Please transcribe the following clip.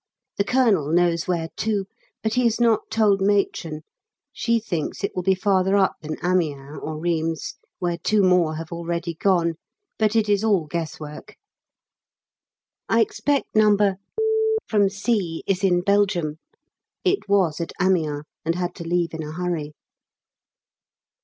The Colonel knows where to, but he has not told Matron; she thinks it will be farther up than Amiens or Rheims, where two more have already gone, but it is all guess work. I expect No. from C is in Belgium. (It was at Amiens and had to leave in a hurry.)